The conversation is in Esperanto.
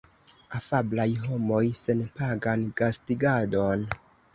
Afablaj homoj. Senpagan gastigadon